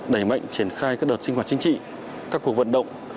đẩy mạnh triển khai các đợt sinh hoạt chính trị các cuộc vận động